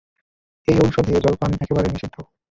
এই ঔষধে জলপান একেবারে নিষিদ্ধ।